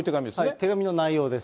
手紙の内容です。